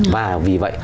và vì vậy